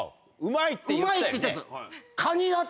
「うまい！」って言ったんですよ。